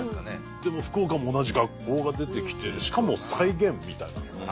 でも福岡も同じ学校が出てきてしかも再現みたいな。